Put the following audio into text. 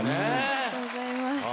ありがとうございます。